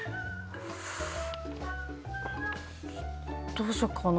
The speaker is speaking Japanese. どうしようかな。